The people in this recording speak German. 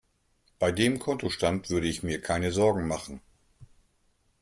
Bei dem Kontostand würde ich mir keine Sorgen machen.